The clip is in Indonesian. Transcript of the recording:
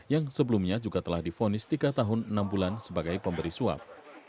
yang sebelumnya juga telah difonis tiga tahun enam bulan sebagai pemberi suap